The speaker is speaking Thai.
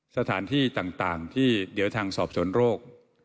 สถานที่ต่างที่เดี๋ยวทางสอบสวนโรค